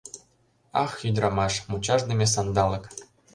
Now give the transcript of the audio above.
Ах, ӱдырамаш, Мучашдыме Сандалык!